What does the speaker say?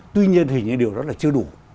tuy nhiên hình như điều đó là chưa đủ